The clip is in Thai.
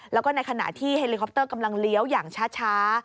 แล้วก็ในขณะที่เฮลิคอปเตอร์กำลังเลี้ยวอย่างช้า